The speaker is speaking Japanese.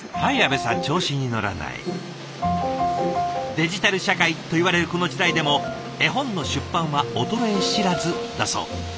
デジタル社会といわれるこの時代でも絵本の出版は衰え知らずだそう。